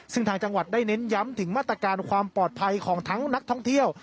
ซึ่งทางจังหวัดได้เน้นย้ำถึงมาตรการความปลอดภัยของทั้งนักท่องเที่ยว